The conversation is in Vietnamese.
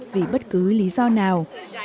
vì bất cứ lý do nào